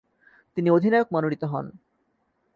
তিনি অধিনায়ক মনোনীত হন।